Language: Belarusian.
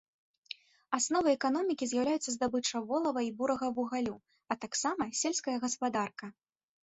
Асновай эканомікі з'яўляюцца здабыча волава і бурага вугалю, а таксама сельская гаспадарка.